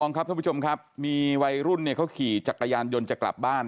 ครับท่านผู้ชมครับมีวัยรุ่นเนี่ยเขาขี่จักรยานยนต์จะกลับบ้าน